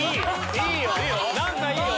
いいよ！